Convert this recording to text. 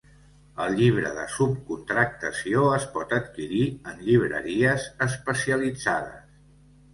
El Llibre de subcontractació es pot adquirir en llibreries especialitzades.